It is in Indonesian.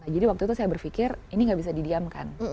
jadi waktu itu saya berpikir ini gak bisa didiamkan